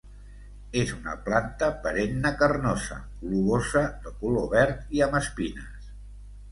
És una planta perenne carnosa, globosa de color verd i amb espines.